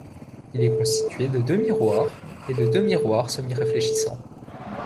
Il est constitué de deux miroirs et de deux miroirs semi-réfléchissants.